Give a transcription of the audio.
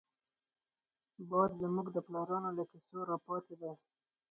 باد زمونږ د پلارانو له کيسو راپاتې دی